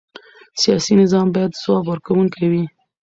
سیاسي نظام باید ځواب ورکوونکی وي